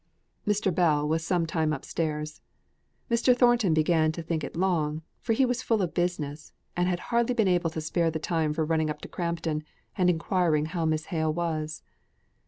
Mr. Bell was some time upstairs. Mr. Thornton began to think it long, for he was full of business, and had hardly been able to spare the time for running up to Crampton, and enquiring how Miss Hale was.